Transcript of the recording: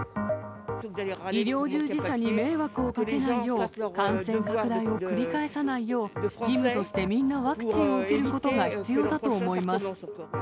医療従事者に迷惑をかけないよう、感染拡大を繰り返さないよう、義務として、みんなワクチンを受けることが必要だと思います。